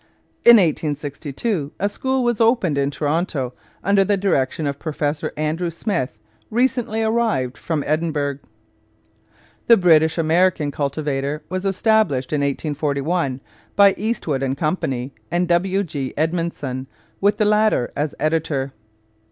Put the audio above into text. In 1862 a school was opened in Toronto under the direction of Professor Andrew Smith, recently arrived from Edinburgh. The British American Cultivator was established in 1841 by Eastwood and Co. and W. G. Edmundson, with the latter as editor.